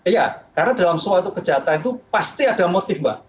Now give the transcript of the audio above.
iya karena dalam suatu kejahatan itu pasti ada motif mbak